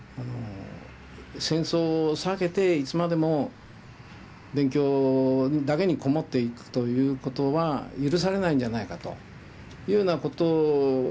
戦争を避けていつまでも勉強だけに籠もっていくということは許されないんじゃないかというようなことをね